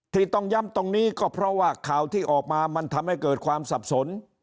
ที่ต้องย้ำตรงนี้ก็เพราะว่าข่าวที่ออกมามันทำให้เกิดความสับสน